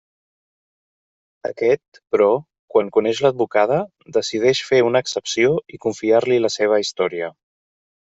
Aquest, però, quan coneix l'advocada decideix fer una excepció i confiar-li la seva història.